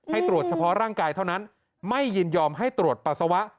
ตรวจเฉพาะร่างกายเท่านั้นไม่ยินยอมให้ตรวจปัสสาวะ